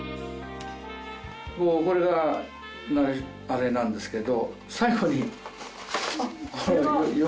これがあれなんですけど。